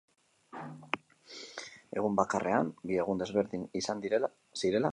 Egun bakarrean bi egun desberdin izan zirela kontatu digu.